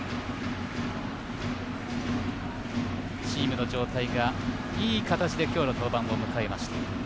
チームの状態がいい形で今日の登板を迎えました。